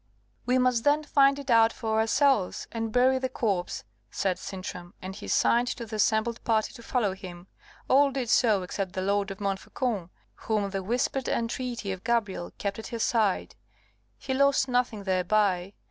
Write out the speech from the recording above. "We must then find it out for ourselves, and bury the corpse," said Sintram; and he signed to the assembled party to follow him. All did so except the Lord of Montfaucon, whom the whispered entreaty of Gabrielle kept at her side. He lost nothing thereby.